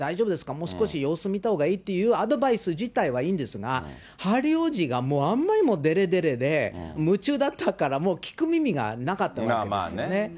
もう少し様子見たほうがいいっていうアドバイス自体はいいんですが、ハリー王子があんまりもでれでれで、夢中だったから、もう聞く耳がなかったわけですよね。